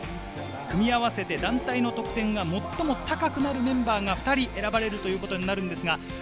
組み合わせて団体の得点が最も高くなるメンバーが２人選ばれるということになります。